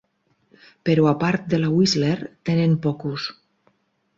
Però a part de la de Whistler, tenen poc ús.